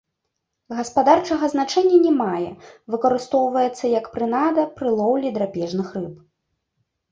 Гаспадарчага значэння не мае, выкарыстоўваецца як прынада пры лоўлі драпежных рыб.